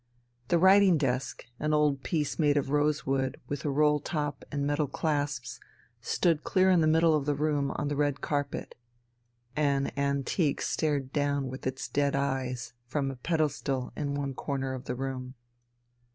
The writing desk, an old piece made of rose wood with a roll top and metal clasps, stood clear in the middle of the room on the red carpet. An antique stared down with its dead eyes from a pedestal in one corner of the room.